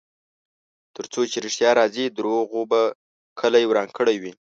ترڅو چې ریښتیا راځي، دروغو به کلی وران کړی وي.